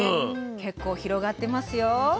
結構広がってますよ。